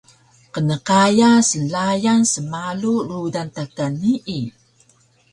Qnqaya snlayan smalu rudan ta ka nii